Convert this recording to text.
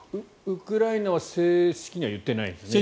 ウクライナは正式には言ってないですよね。